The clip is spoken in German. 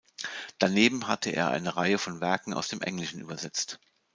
Daneben hat er eine Reihe von Werken aus dem Englischen übersetzt.